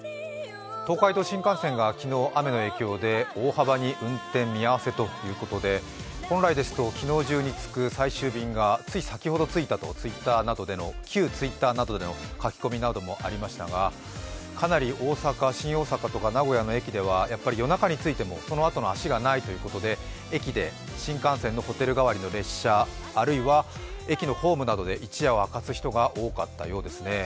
東海道新幹線が昨日、雨の影響で大幅に運転見合わせということで本来ですと昨日中に着く最終便が先ほど着いたと、旧Ｔｗｉｔｔｅｒなどでの書き込みもありましたがかなり、新大阪とか名古屋の駅では夜中に着いてもそのあとの足がないということで駅で新幹線のホテル代わりの列車、あるいは駅のホームなどで一夜を明かす人が多かったようですね。